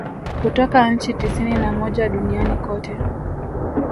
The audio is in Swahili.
Kutoka nchi tisini na moja duniani kote